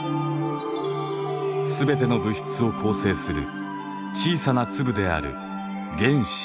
全ての物質を構成する小さな粒である原子。